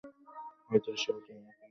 হয়তো সেও তোমাকে খুব ভালো করে চেনে।